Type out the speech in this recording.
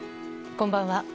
こんばんは。